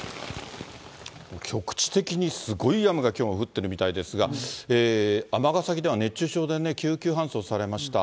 局地的にすごい雨がきょうも降ってるみたいですが、尼崎では熱中症で救急搬送されました。